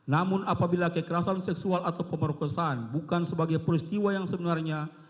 namun apabila kekerasan seksual atau pemerkosaan bukan sebagai peristiwa yang sebenarnya